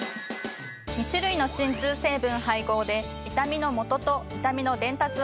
２種類の鎮痛成分配合で痛みのもとと痛みの伝達をダブルブロック。